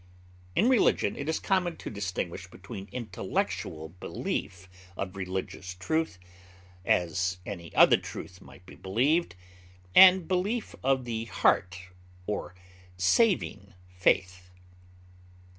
In religion it is common to distinguish between intellectual belief of religious truth, as any other truth might be believed, and belief of the heart, or saving faith.